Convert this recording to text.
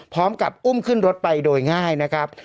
พร้อมกับอุ้มขึ้นรถไปโดยง่ายนะครับ